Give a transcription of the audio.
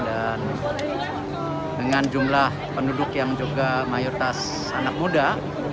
dengan jumlah penduduk yang juga mayoritas anak muda